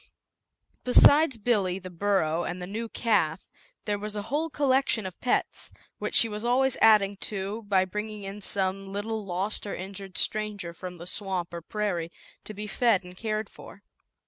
Besides Billy, the burro, and the new calf, there was a whole collection of pets, which she was always adding to by bringing in some little lost or injured ZAUBERLINDA, THE WISE WITCH. ^^' stranger from the swamp or prairie, to be fed and cared for.